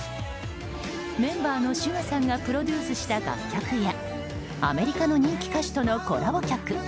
メンバーのＳＵＧＡさんがプロデュースした楽曲やアメリカの人気歌手とのコラボ曲。